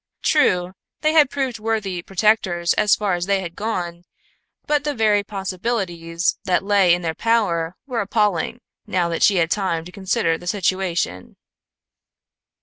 True, they had proved worthy protectors as far as they had gone, but the very possibilities that lay in their power were appalling, now that she had time to consider the situation.